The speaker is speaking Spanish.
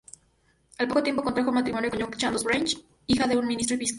Al poco tiempo contrajo matrimonio con Joan Chandos Bridge, hija de un ministro episcopal.